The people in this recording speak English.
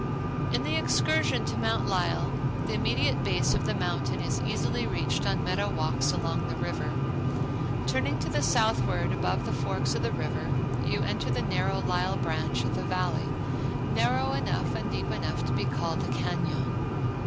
In the excursion to Mount Lyell the immediate base of the mountain is easily reached on meadow walks along the river. Turning to the southward above the forks of the river, you enter the narrow Lyell branch of the Valley, narrow enough and deep enough to be called a cañon.